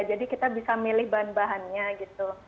jadi kita bisa milih bahan bahannya gitu